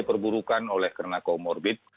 perburukan oleh kena comorbid